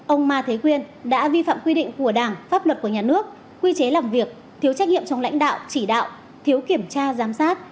ông ma thế quyên đã vi phạm quy định của đảng pháp luật của nhà nước quy chế làm việc thiếu trách nhiệm trong lãnh đạo chỉ đạo thiếu kiểm tra giám sát